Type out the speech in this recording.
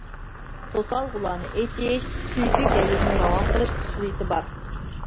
توسالغۇلارنى ئېچىش، سۈيدۈك ھەيزنى راۋان قىلىش خۇسۇسىيىتى بار.